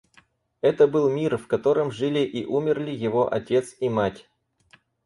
Это был мир, в котором жили и умерли его отец и мать.